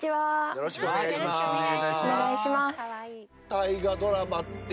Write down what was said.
よろしくお願いします。